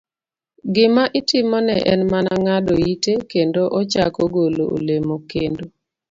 Gima itimone en mana ng'ado ite kendo ochako golo olemo kendo.